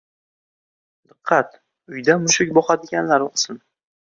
Diqqat! Uyda mushuk boqadiganlar o‘qisin